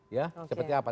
ya seperti apa